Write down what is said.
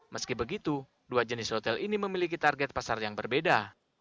meski begitu dua jenis hotel ini memiliki target pasar yang berbeda